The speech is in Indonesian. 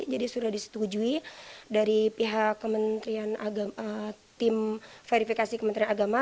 jadi sudah disetujui dari pihak tim verifikasi kementerian agama